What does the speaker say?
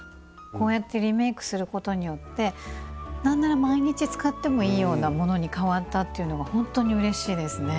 こうやってリメイクすることによって何なら毎日使ってもいいようなものに変わったっていうのがほんとにうれしいですね。